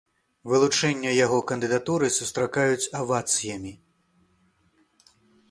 Вылучэнне яго кандыдатуры сустракаюць авацыямі.